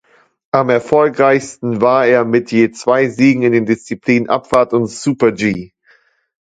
Am erfolgreichsten war er mit je zwei Siegen in den Disziplinen Abfahrt und Super-G.